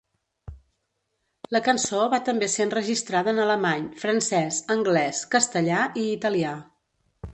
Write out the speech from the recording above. La cançó va també ser enregistrada en alemany, francès, anglès, castellà i italià.